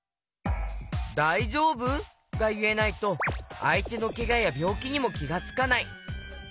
「だいじょうぶ？」がいえないとあいてのけがやびょうきにもきがつかない！